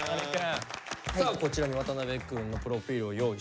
さあこちらに渡辺くんのプロフィールを用意しました。